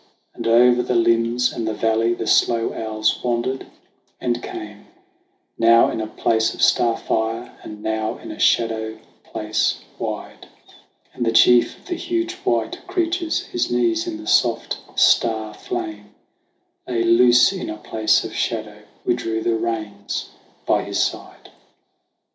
And over the limbs and the valley the slow owls wandered and came, Now in a place of star fire, and now in a shadow place wide ; And the chief of the huge white creatures, his knees in the soft star flame, Lay loose in a place of shadow : we drew the reins by his side.